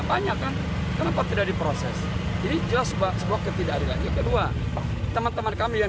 banyak kan kenapa tidak diproses ini jelas sebuah ketidakadilan yang kedua teman teman kami yang